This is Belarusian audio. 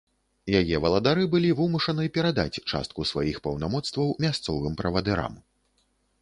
Яе валадары былі вымушаны перадаць частку сваіх паўнамоцтваў мясцовым правадырам.